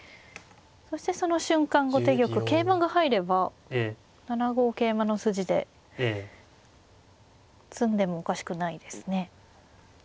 そしてその瞬間後手玉桂馬が入れば７五桂馬の筋で詰んでもおかしくないですね。